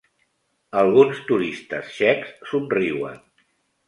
Alguns turistes txecs somriuen.